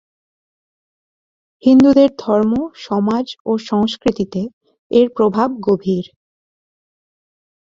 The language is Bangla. হিন্দুদের ধর্ম, সমাজ ও সংস্কৃতিতে এর প্রভাব গভীর।